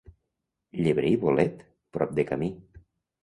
Llebre i bolet, prop de camí.